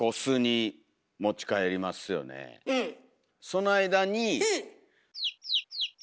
その間に。